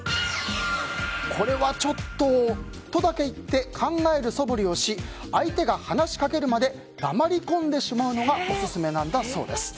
これはちょっととだけ言って考えるそぶりをし相手が話しかけるまで黙り込んでしまうのがオススメなんだそうです。